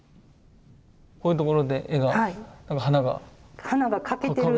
こういうところで絵が花が欠けてる。